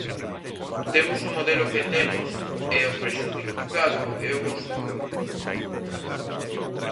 Temos o modelo que temos e o prexudicado é o consumidor.